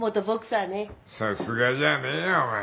さすがじゃねえよお前。